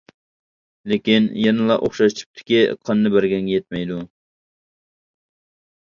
لېكىن يەنىلا ئوخشاش تىپتىكى قاننى بەرگەنگە يەتمەيدۇ.